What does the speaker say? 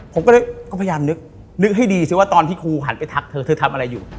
ผมก็พยายามนึกให้ดีสิว่าตอนที่ครูหันไปทักเธอเธอทำอะไรอยู่